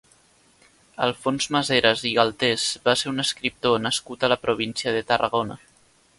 Alfons Maseras i Galtés va ser un escriptor nascut a la província de Tarragona.